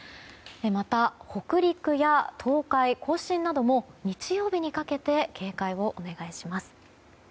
また、北陸や東海、甲信なども日曜日にかけて警戒をお願いします。